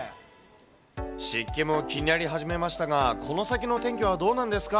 湿気も気になり始めましたが、この先のお天気はどうなんですか。